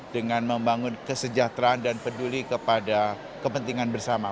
dengan membangun kesejahteraan dan peduli kepada kepentingan bersama